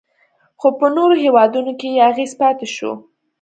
خو په نورو هیوادونو کې یې اغیز پاتې شو